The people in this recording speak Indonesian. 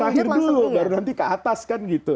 terakhir dulu baru nanti ke atas kan gitu